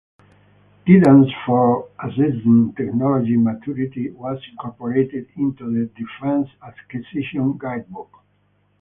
Guidance for assessing technology maturity was incorporated into the "Defense Acquisition Guidebook".